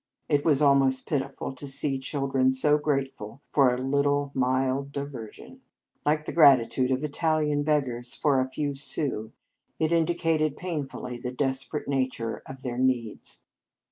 It was almost pitiful to see children so grateful for a little mild diversion. Like the gratitude of Italian beggars for a few sous, it indicated painfully the desperate nature of their needs.